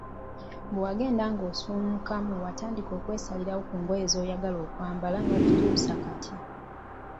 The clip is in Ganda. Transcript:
Bwewagenda ng‘osuumukamu watandika okwesalirawo ku ngoye z‘oyagala okwambala n‘okutuusa kati.